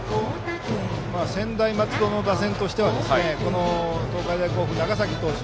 専大松戸の打線としては東海大甲府の長崎投手